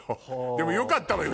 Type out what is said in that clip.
でもよかったわよ